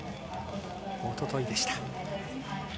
おとといでした。